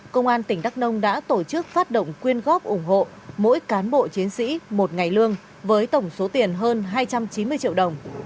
công an tỉnh đắk nông đã tổ chức phát động quyên góp ủng hộ mỗi cán bộ chiến sĩ một ngày lương với tổng số tiền hơn hai trăm chín mươi triệu đồng